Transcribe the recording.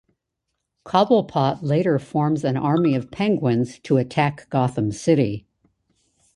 Cobblepot later forms an army of penguins to attack Gotham City.